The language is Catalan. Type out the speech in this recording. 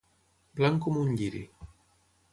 Blanc com un lliri.